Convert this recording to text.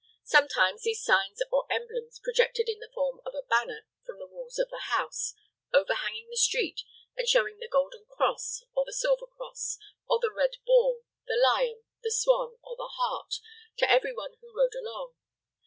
Sometimes these signs or emblems projected in the form of a banner from the walls of the house, overhanging the street, and showing the golden cross, or the silver cross, or the red ball, the lion, the swan, or the hart, to every one who rode along.